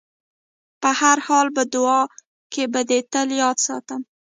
په هر حال په دعاوو کې به دې تل یاد ساتم.